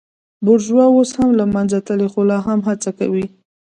بورژوا اوس له منځه تللې خو لا هم هڅه کوي.